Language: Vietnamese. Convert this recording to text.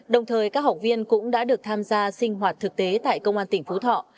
đồng thời các học viên cũng đã được tham gia sinh hoạt thực tế tại công an tỉnh phú thọ